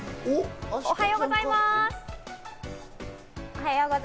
おはようございます。